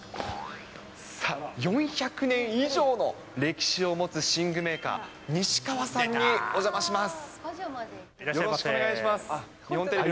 さあ、４００年以上の歴史を持つ寝具メーカー、西川さんにお邪魔します。